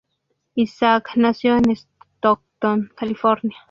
Isaak nació en Stockton, California.